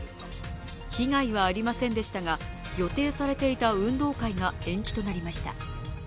被害はありませんでしたが、予定されていた運動会が延期となりました。